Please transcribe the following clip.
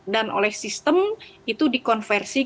dan oleh sistem itu di konversi